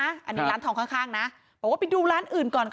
เขาก็ออกจากร้านไปออกจากร้านไปแป๊บเดียวไปก่อเหตุกับร้านทองข้าง